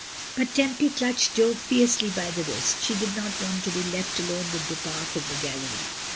But Tempy clutched Jo fiercely by the wrist. She did not want to be left alone with Du Pare in the gallery.